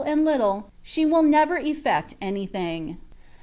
129 and little, she will never effect anything.